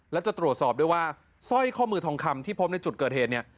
และจะตรวจสอบด้วยว่าสร้อยข้อมือทองคำที่พบในจุดเกิดเหตุเนี่ย